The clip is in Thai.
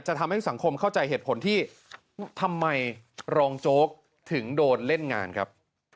ทำให้สังคมเข้าใจเหตุผลที่ทำไมรองโจ๊กถึงโดนเล่นงานครับ